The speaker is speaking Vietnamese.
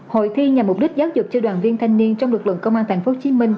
hội thi nhằm mục đích giáo dục cho đoàn viên thanh niên trong lực lượng công an tp hcm